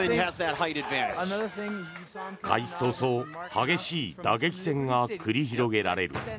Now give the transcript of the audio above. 開始早々激しい打撃戦が繰り広げられる。